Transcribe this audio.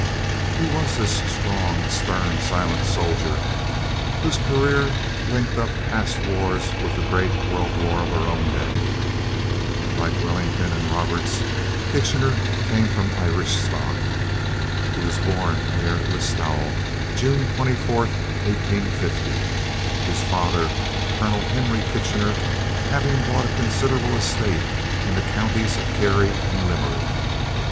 Who was this strong, stern, silent soldier whose career linked up past wars with the great World War of our own day? Like Wellington and Roberts, Kitchener came of Irish stock. He was born near Listowel, June 24, 1850, his father, Colonel Henry Kitchener, having bought a considerable estate in the counties of Kerry and Limerick.